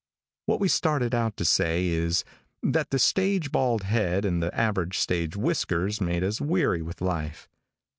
What we started out to say, is, that the stage bald head and the average stage whiskers make us weary with life.